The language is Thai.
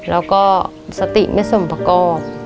แล้วก็สติไม่สมประกอบ